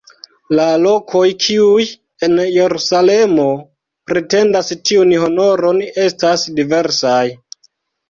La lokoj kiuj en Jerusalemo pretendas tiun honoron estas diversaj.